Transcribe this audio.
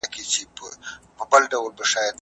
¬ څه کوه، څه پرېږده.